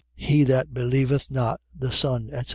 He that believeth not the Son, etc.